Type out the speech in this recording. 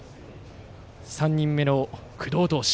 ３人目の工藤投手。